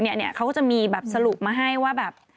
เขาก็จะมีสรุปมาให้ว่า